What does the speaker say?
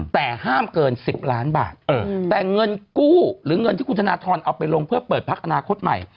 แต่ห้ามเกิน๑๐ล้านบาทแต่เงินกู้หรือเงินที่คุณธนทรเอาไปลงเพื่อเปิดพักอนาคตใหม่